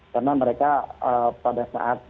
karena mereka pada saat